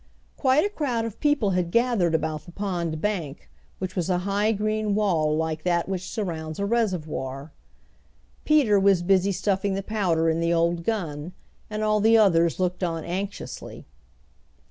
Quite a crowd of people had gathered about the pond bank, which was a high green wall like that which surrounds a reservoir. Peter was busy stuffing the powder in the old gun, and all the others looked on anxiously.